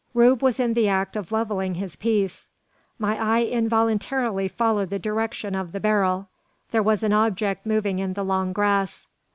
Rube was in the act of levelling his piece. My eye involuntarily followed the direction of the barrel. There was an object moving in the long grass.